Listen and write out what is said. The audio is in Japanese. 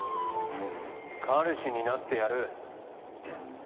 彼氏になってやる